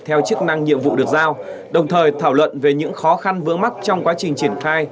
theo chức năng nhiệm vụ được giao đồng thời thảo luận về những khó khăn vướng mắt trong quá trình triển khai